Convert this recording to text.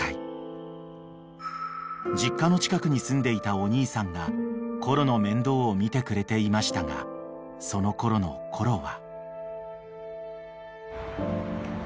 ［実家の近くに住んでいたお兄さんがコロの面倒を見てくれていましたがそのころのコロは］